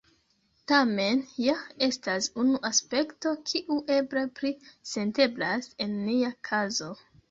Tamen, ja estas unu aspekto, kiu eble pli senteblas en nia kazo.